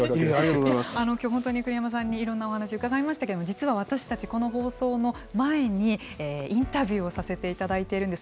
きょう本当に栗山さんに、いろんなお話を伺いましたけれども実は私たちこの放送の前にインタビューをさせていただいてるんです。